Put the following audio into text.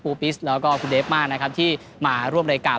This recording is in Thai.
ปิสแล้วก็คุณเดฟมากนะครับที่มาร่วมรายการ